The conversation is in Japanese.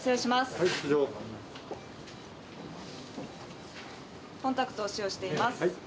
はい、コンタクトを使用しています。